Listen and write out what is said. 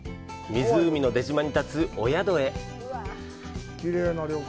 湖の出島に建つお宿へ。